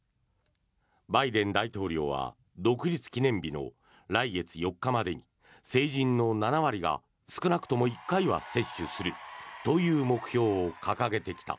バイデン大統領は独立記念日の来月４日までに成人の７割が少なくとも１回は接種するという目標を掲げてきた。